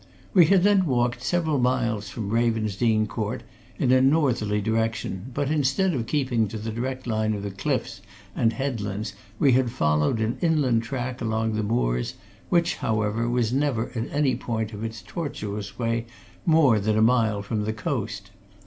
We had then walked several miles from Ravensdene Court in a northerly direction, but instead of keeping to the direct line of the cliffs and headlands we had followed an inland track along the moors, which, however, was never at any point of its tortuous way more than a mile from the coast.